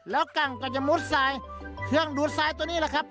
แล้วกั้งก็จะมุดทรายเครื่องดูดทรายตัวนี้แหละครับ